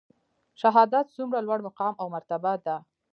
شهادت څومره لوړ مقام او مرتبه ده؟